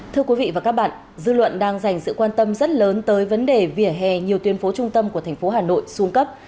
thưa quý vị và các bạn dư luận đang dành sự quan tâm rất lớn tới vấn đề vỉa hè nhiều tuyến phố trung tâm của thành phố hà nội xuống cấp